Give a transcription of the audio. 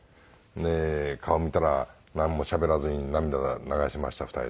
で顔を見たらなんもしゃべらずに涙流しました２人で。